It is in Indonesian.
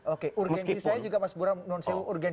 oke urgensi saya juga mas burhan menutup dialog ini